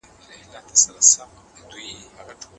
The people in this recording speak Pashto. کله چي استاد خبرې کولې موږ شعرونه اورېدل.